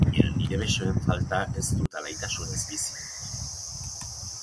Baina nire besoen falta ez dut alaitasunez bizi.